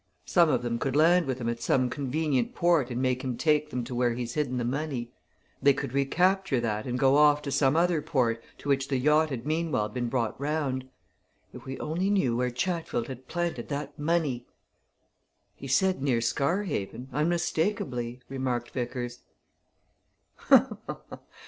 Some of them could land with him at some convenient port and make him take them to where he's hidden the money; they could recapture that and go off to some other port, to which the yacht had meanwhile been brought round. If we only knew where Chatfield had planted that money " "He said near Scarhaven, unmistakably," remarked Vickers.